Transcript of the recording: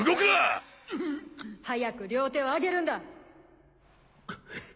早く両手を上げるんだ！